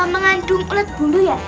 mengandung ulat bumbu ya